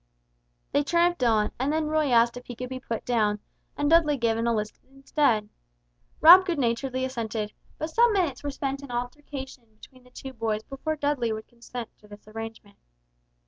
They tramped on, and then Roy asked if he could be put down, and Dudley given a lift instead. Rob good naturedly assented, but some minutes were spent in altercation between the two boys before Dudley would consent to this arrangement.